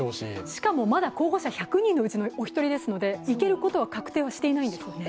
しかもまだ候補者１００人のうちのお一人ですので行けることは確定はしていないんですよね。